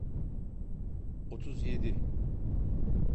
Otuz yedi.